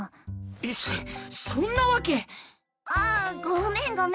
そそんなわけ。あっごめんごめん。